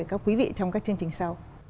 các quý vị trong các chương trình sau